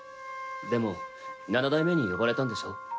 でも七代目に呼ばれたんでしょ？